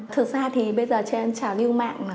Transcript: thực ra thì bây giờ trên trào lưu mạng